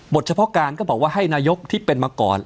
เฉพาะการก็บอกว่าให้นายกที่เป็นมาก่อน